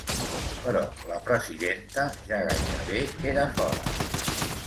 Però la presidenta ja gairebé era fora.